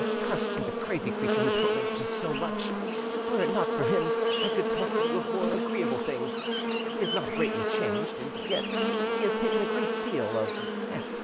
Cursed be the crazy creature who torments me so much! Were it not for him, I could talk to you of more agreeable things: he is not greatly changed; and yet he has taken a great deal o f %t.